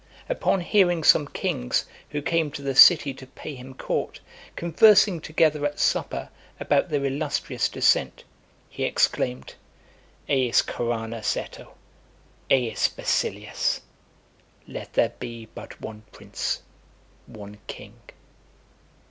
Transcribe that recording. Upon hearing some kings, who came to the city to pay him court, conversing together at supper, about their illustrious descent, he exclaimed, Eis koiranos eto, eis basileus. Let there be but one prince, one king.